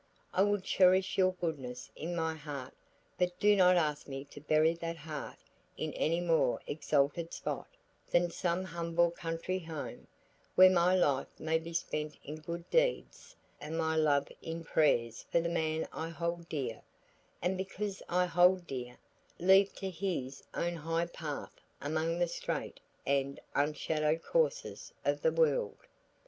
I will cherish your goodness in my heart but do not ask me to bury that heart in any more exalted spot, than some humble country home, where my life may be spent in good deeds and my love in prayers for the man I hold dear, and because I hold dear, leave to his own high path among the straight and unshadowed courses of the world."